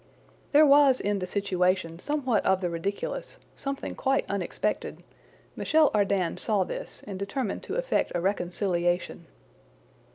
There was in "the situation" somewhat of the ridiculous, something quite unexpected; Michel Ardan saw this, and determined to effect a reconciliation.